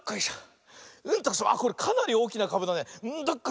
あっこれかなりおおきなかぶだね。